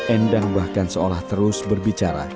endang bahkan seolah terus berbicara